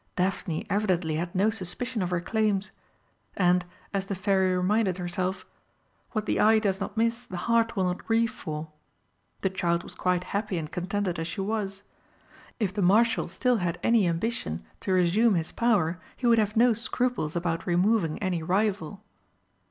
Daphne evidently had no suspicion of her claims. And, as the Fairy reminded herself, "What the eye does not miss the heart will not grieve for." The child was quite happy and contented as she was. If the Marshal still had any ambition to resume his power, he would have no scruples about removing any rival.